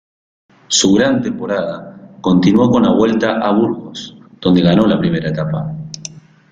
Su gran temporada continuó con la Vuelta a Burgos, donde ganó la primera etapa.